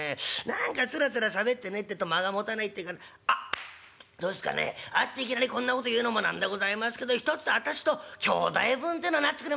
何かつらつらしゃべってねえってっと間がもたないっていうかあっどうっすかね会っていきなりこんなこと言うのも何でございますけどひとつあたしと兄弟分ってのなってくれませんか？」。